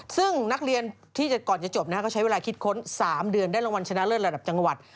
ซึ่งนักเรียนที่ก่อนจะจบก็ใช้เวลาคิดค้น๓เดือนได้รางวัลชนะเลิศระดับจังหวัด